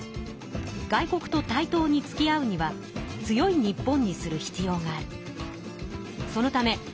外国と対等につきあうには強い日本にする必要がある。